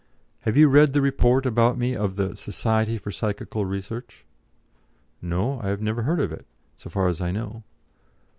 "Have you read the report about me of the Society for Psychical Research?" "No; I never heard of it, so far as I know."